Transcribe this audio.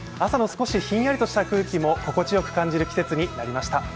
朝の少しひんやりとした空気も心地よく感じる季節になりました。